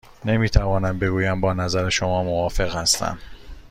نمی توانم بگویم با نظر شما موافق هستم.